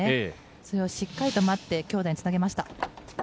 それをしっかり止まって強打につなげました。